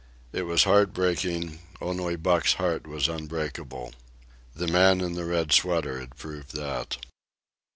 It was heartbreaking, only Buck's heart was unbreakable. The man in the red sweater had proved that.